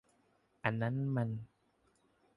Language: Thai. อันนั้นมัน